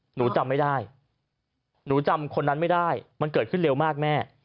หนูจำไม่ได้หนูจำคนนั้นไม่ได้มันเกิดขึ้นเร็วมากแม่